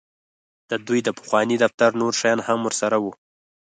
د دوی د پخواني دفتر نور شیان هم ورسره وو